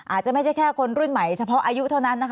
อาจจะไม่ใช่แค่คนรุ่นใหม่เฉพาะอายุเท่านั้นนะคะ